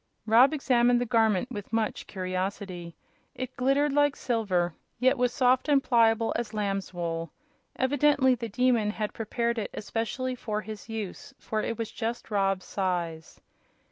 Rob examined the garment with much curiosity. It glittered like silver, yet was soft and pliable as lamb's wool. Evidently the Demon had prepared it especially for his use, for it was just Rob's size.